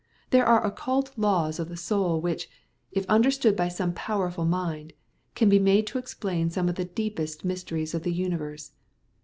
There are occult laws of the soul which, if understood by some powerful mind, can be made to explain some of the deepest mysteries of the universe.